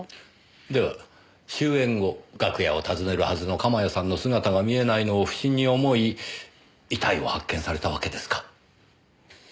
では終演後楽屋を訪ねるはずの鎌谷さんの姿が見えないのを不審に思い遺体を発見されたわけですか。